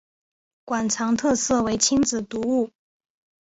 馆藏特色为亲子读物。